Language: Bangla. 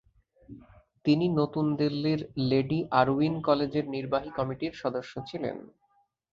তিনি নতুন দিল্লির লেডি আরউইন কলেজের নির্বাহী কমিটির সদস্য ছিলেন।